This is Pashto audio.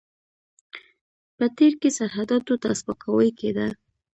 په تېر کې سرحداتو ته سپکاوی کېده.